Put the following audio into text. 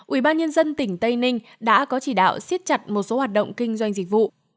ủy ban nhân dân tỉnh tây ninh đã có chỉ đạo siết chặt một số hoạt động kinh doanh dịch vụ